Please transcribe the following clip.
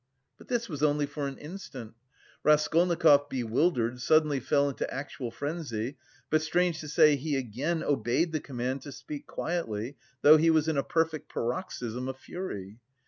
But this was only for an instant. Raskolnikov, bewildered, suddenly fell into actual frenzy, but, strange to say, he again obeyed the command to speak quietly, though he was in a perfect paroxysm of fury.